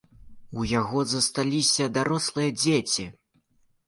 У яго засталіся дарослыя дзеці.